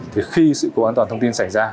thì khi sự cố an toàn thông tin xảy ra